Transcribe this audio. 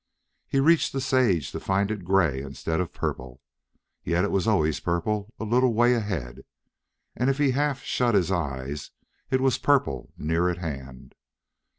He reached the sage to find it gray instead of purple. Yet it was always purple a little way ahead, and if he half shut his eyes it was purple near at hand.